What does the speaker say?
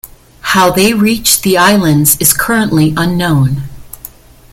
How they reached the islands is currently unknown.